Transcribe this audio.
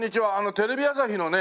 テレビ朝日のね